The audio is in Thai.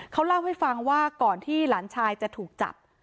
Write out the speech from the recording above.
เขาเล่าให้ฟังว่าก่อนที่หลานชายจะถูกจับ